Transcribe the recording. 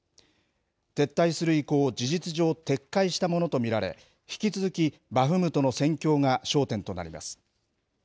撤退する意向を事実上、撤回したものと見られ、引き続きバフムトの戦況が焦点となります。